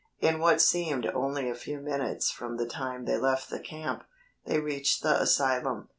In what seemed only a few minutes from the time they left the camp, they reached the asylum.